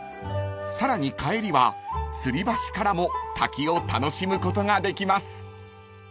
［さらに帰りはつり橋からも滝を楽しむことができます］